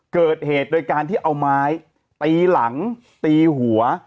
เกิดเหตุโดยการที่เอาไม้ตีหลังตีหัว